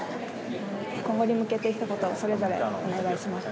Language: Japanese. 今後に向けてひと言それぞれお願いします。